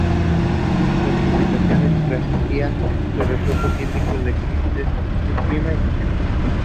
Alice was still in charge there twenty years later when Steele died.